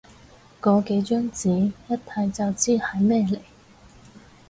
個幾張紙，一睇就知係咩嚟